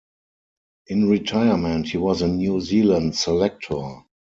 In retirement, he was a New Zealand selector.